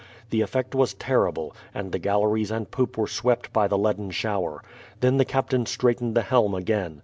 The effect was terrible, and the galleries and poop were swept by the leaden shower. Then the captain straightened the helm again.